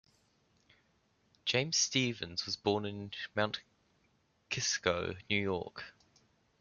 James Stephens was born in Mount Kisco, New York.